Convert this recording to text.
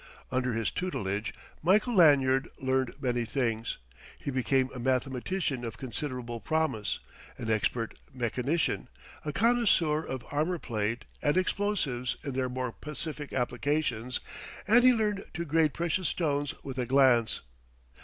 Under his tutelage, Michael Lanyard learned many things; he became a mathematician of considerable promise, an expert mechanician, a connoisseur of armour plate and explosives in their more pacific applications, and he learned to grade precious stones with a glance.